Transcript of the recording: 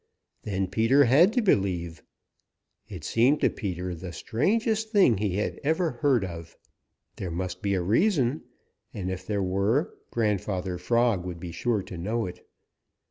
Then Peter had to believe. It seemed to Peter the strangest thing he ever had heard of. There must be a reason, and if there were, Grandfather Frog would be sure to know it.